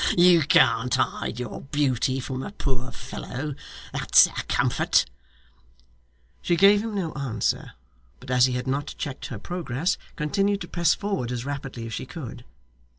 You can't hide your beauty from a poor fellow; that's a comfort!' She gave him no answer, but as he had not yet checked her progress, continued to press forward as rapidly as she could.